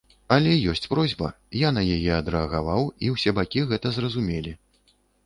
Але ёсць просьба, я на яе адрэагаваў, і ўсе бакі гэта зразумелі.